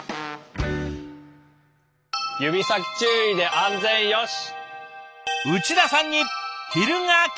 指先注意で安全よし！